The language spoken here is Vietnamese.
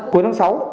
cuối tháng sáu